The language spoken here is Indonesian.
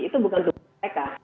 itu bukan tugas mereka